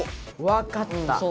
わかった！